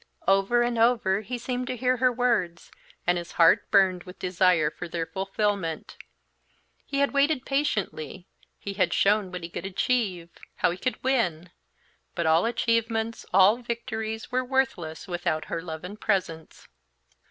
Over and over he seemed to hear her words, and his heart burned with desire for their fulfilment. He had waited patiently, he had shown what he could achieve, how he could win, but all achievements, all victories, were worthless without her love and presence.